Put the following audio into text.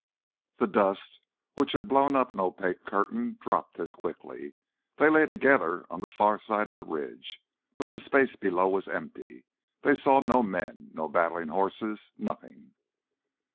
The dust which had blown up an opaque curtain dropped as quickly. They lay together on the far side of the ridge, but the space below was empty. They saw no men, no battling horses—nothing.